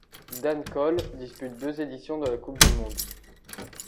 Dan Cole dispute deux éditions de la Coupe du monde.